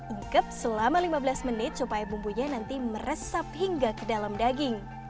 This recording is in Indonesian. ingkep selama lima belas menit supaya bumbunya nanti meresap hingga ke dalam daging